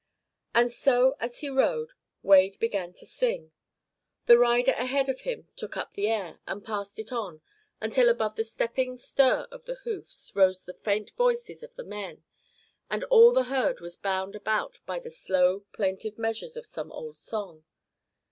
And so, as he rode, Wade began to sing. The rider ahead of him took up the air and passed it on until, above the stepping stir of the hoofs, rose the faint voices of the men, and all the herd was bound about by the slow plaintive measures of some old song.